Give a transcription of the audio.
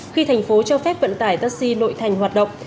khi thành phố cho phép vận tải taxi nội thành hoạt động